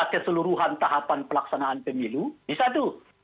kalau tidak mau mpr lah yang berbuat